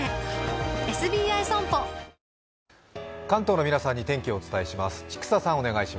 関東の皆さんに天気をお伝えします。